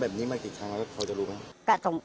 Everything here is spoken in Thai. แบบนี้มากี่ครั้งแล้วพอจะรู้ไหม